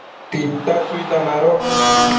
tita chuitan mado